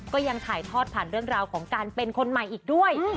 ก็ยังถ่ายทอดผ่านเรื่องราวของการเป็นคนใหม่อีกด้วย